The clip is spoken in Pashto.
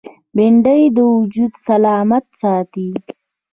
بېنډۍ د وجود سلامت ساتي